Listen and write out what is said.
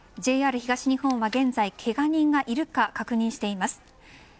ＪＲ東日本は現在けが人がいるか確認しています。